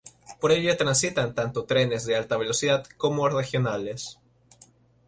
Por ella transitan tanto trenes de alta velocidad como regionales.